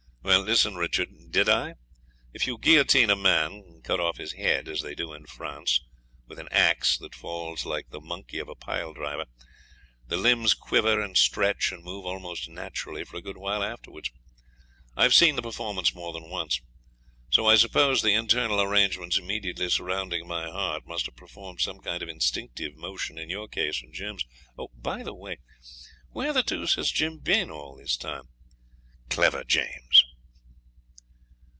Well, listen, Richard. Did I? If you guillotine a man cut off his head, as they do in France, with an axe that falls like the monkey of a pile driver the limbs quiver and stretch, and move almost naturally for a good while afterwards. I've seen the performance more than once. So I suppose the internal arrangements immediately surrounding my heart must have performed some kind of instinctive motion in your case and Jim's. By the way, where the deuce has Jim been all this time? Clever James!'